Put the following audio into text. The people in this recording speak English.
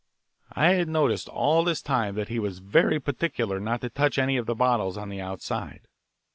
I had noticed all this time that he was very particular not to touch any of the bottles on the outside.